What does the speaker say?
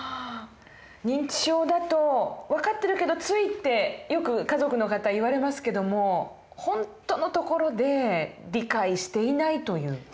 認知症だと分かってるけどついってよく家族の方言われますけども本当のところで理解していないという。